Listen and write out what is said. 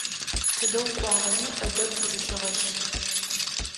Тыдэ укӀуагъэми Ӏэдэб зыхэгъэлъ.